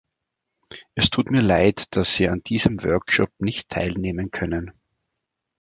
Es tut mir Leid, dass Sie an diesem Workshop nicht teilnehmen können.